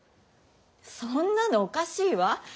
そんなのおかしいわ。